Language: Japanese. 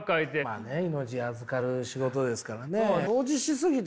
まあね命預かる仕事ですからね。